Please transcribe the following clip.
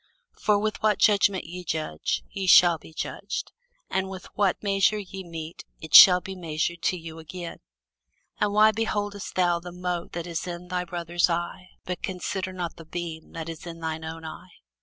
For with what judgment ye judge, ye shall be judged: and with what measure ye mete, it shall be measured to you again. And why beholdest thou the mote that is in thy brother's eye, but considerest not the beam that is in thine own eye?